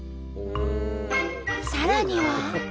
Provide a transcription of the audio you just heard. さらには。